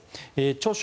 著書